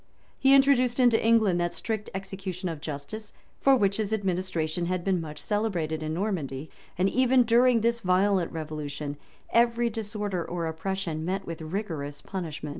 ] He introduced into England that strict execution of justice, for which his administration had been much celebrated in Normandy; and even during this violent revolution, every disorder or oppression met with rigorous punishment.